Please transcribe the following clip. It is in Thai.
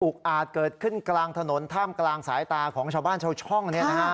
อาจเกิดขึ้นกลางถนนท่ามกลางสายตาของชาวบ้านชาวช่อง